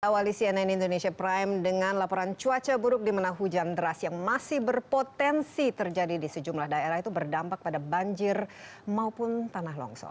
awali cnn indonesia prime dengan laporan cuaca buruk di mana hujan deras yang masih berpotensi terjadi di sejumlah daerah itu berdampak pada banjir maupun tanah longsor